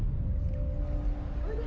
おいで！